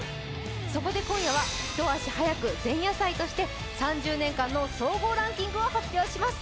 そこで今夜は一足早く前夜祭として３０年間の総合ランキングを発表します